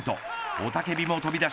雄たけびも飛び出し